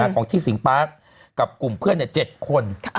ของที่สิงปาร์คกับกลุ่มเพื่อน๗คน